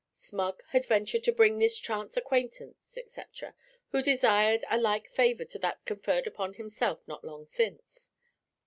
Smug had ventured to bring this chance acquaintance, etc., who desired a like favour to that conferred upon himself not long since.